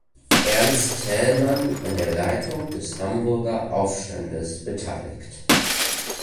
Ernst Thälmann an der Leitung des Hamburger Aufstandes beteiligt.